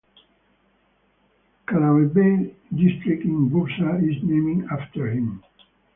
Karacabey District in Bursa is named after him.